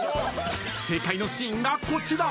［正解のシーンがこちら］